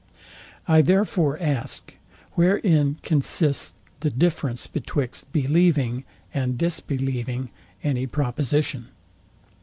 I therefore ask, Wherein consists the difference betwixt believing and disbelieving any proposition?